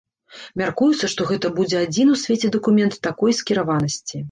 Мяркуецца, што гэта будзе адзіны ў свеце дакумент такой скіраванасці.